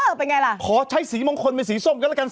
เป็นไงล่ะขอใช้สีมงคลเป็นสีส้มกันแล้วกัน